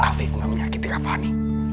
afif gak menyakitin kak fani